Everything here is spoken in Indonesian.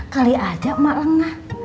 kali aja ma lengah